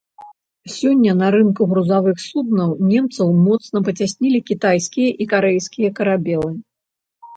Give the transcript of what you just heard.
Сёння на рынку грузавых суднаў немцаў моцна пацяснілі кітайскія і карэйскія карабелы.